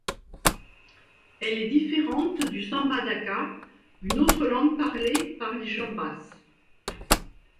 Elle est différente du samba daka, une autre langue parlée par les Chambas.